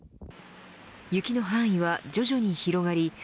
雪の範囲は徐々に広がり